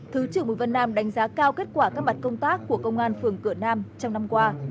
thứ trưởng bùi vân nam đánh giá cao kết quả các mặt công tác của công an phường cửa nam trong năm qua